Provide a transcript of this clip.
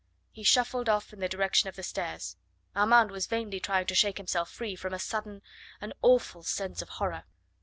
He shuffled off in the direction of the stairs. Armand was vainly trying to shake himself free from a sudden, an awful sense of horror.